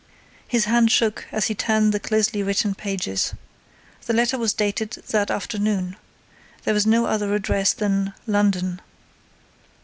His hand shook as he turned the closely written pages. The letter was dated that afternoon. There was no other address than "London."